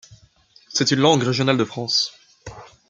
C’est une langue régionale de France.